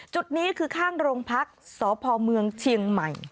จุดนี้คือข้างโรงพักษ์สพเมืองเชียงใหม่